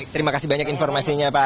terima kasih banyak informasinya pak